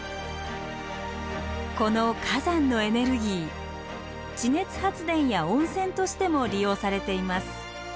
この火山のエネルギー地熱発電や温泉としても利用されています。